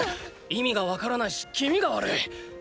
意味がわからないし気味が悪い！